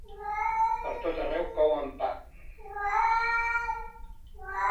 Pertot arreu couen pa.